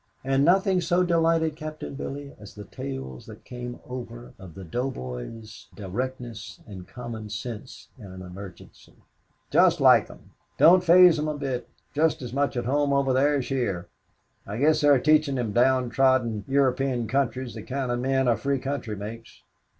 And nothing so delighted Captain Billy as the tales that came over of the doughboy's directness and common sense in an emergency. "Just like them. Don't phase them a bit. Just as much at home over there as here. I guess they're teaching them down trodden European countries the kind of men a free country makes.